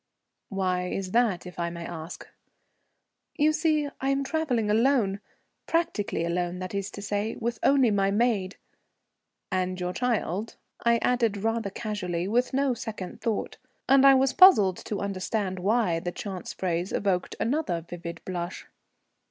"Why is that, if I may ask?" "You see, I am travelling alone, practically alone that is to say, with only my maid." "And your child," I added rather casually, with no second thought, and I was puzzled to understand why the chance phrase evoked another vivid blush.